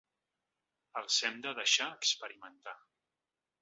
Els hem de deixar experimentar.